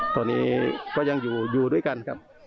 ตอนนี้ก็ยังอยู่ด้วยกันครับ